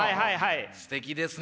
すてきですね。